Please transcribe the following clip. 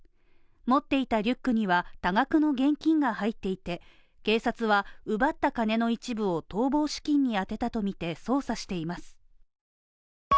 持っていたリュックには多額の現金が入っていて、警察は、奪った金の一部を逃亡資金に充てたとみて捜査しています。